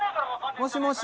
もしもし？